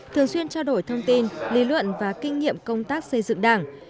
thường xuyên trao đổi thông tin lý luận và kinh nghiệm công tác xây dựng đảng